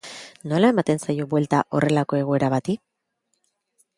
Nola ematen zaio buelta horrelako egoera bati?